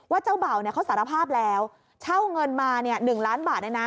เจ้าเบ่าเขาสารภาพแล้วเช่าเงินมา๑ล้านบาทเลยนะ